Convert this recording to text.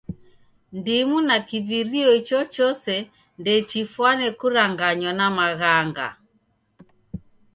Ndimu na kivirio ichochose ndechifwane kuranganywa na maghanga.